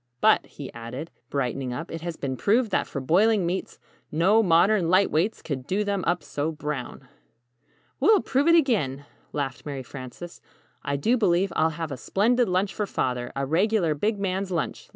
But," he added, brightening up, "it has been proved that for boiling meats, no modern 'light weights' could 'do them up so brown!'" "We'll prove it again," laughed Mary Frances. "I do believe I'll have a splendid lunch for Father a regular big man's lunch.